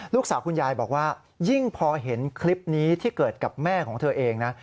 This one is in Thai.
คุณยายบอกว่ายิ่งพอเห็นคลิปนี้ที่เกิดกับแม่ของเธอเองนะ